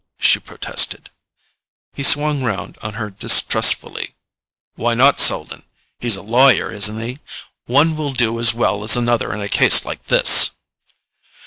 she protested. He swung round on her distrustfully. "Why not Selden? He's a lawyer isn't he? One will do as well as another in a case like this."